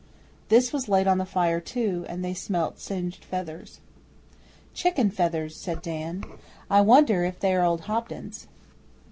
This was laid on the fire too, and they smelt singed feathers. 'Chicken feathers!' said Dan. 'I wonder if they are old Hobden's.